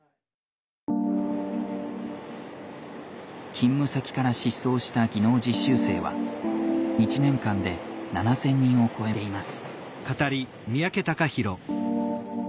勤務先から失踪した技能実習生は一年間で７，０００人を超えています。